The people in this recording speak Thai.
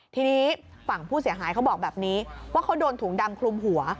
ทีนี้ฝั่งผู้เสียหายเขาบอกแบบนี้ว่าเขาโดนถุงดำคลุมหัว